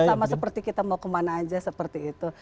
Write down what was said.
sama seperti kita mau kemana aja seperti itu